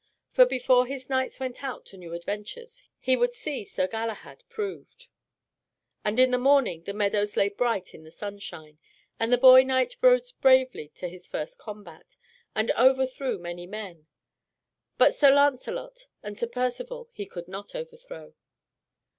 For before his knights went out to new adventures, he would see Sir Galahad proved. And in the morning the meadows lay bright in the sunshine. And the boy knight rode bravely to his first combat, and over threw many men; but Sir Lancelot and Sir Percivale he could not overthrow.